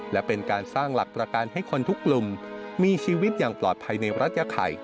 และเป็นการสร้างหลักประการให้คนทุกกลุ่มมีชีวิตอย่างปลอดภัยในรัฐยาไข่